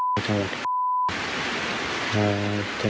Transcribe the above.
บ้านและที่กับหัวเข้า